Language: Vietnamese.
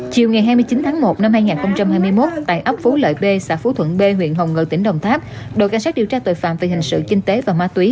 chiều ngày hai mươi chín tháng một năm hai nghìn hai mươi một tại ấp phú lợi b xã phú thuận b huyện hồng ngự tỉnh đồng tháp đội cảnh sát điều tra tội phạm về hình sự kinh tế và ma túy